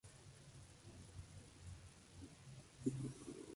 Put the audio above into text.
Además, carece de hallux, uno de los dedos del pie.